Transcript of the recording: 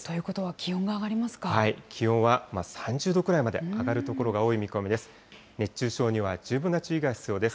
気温は３０度くらいまで上がる所が多い見込みです。